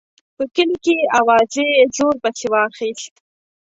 په کلي کې اوازې زور پسې واخیست.